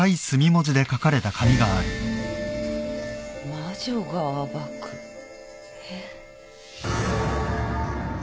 「魔女が暴く」えっ。